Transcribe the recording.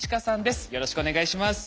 よろしくお願いします。